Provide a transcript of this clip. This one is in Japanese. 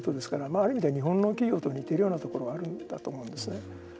ある意味では日本の企業と似ているところがあると思うんですね。